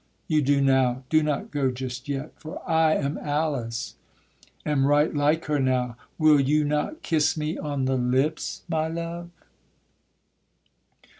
you do now. Do not go just yet, For I am Alice, am right like her now, Will you not kiss me on the lips, my love?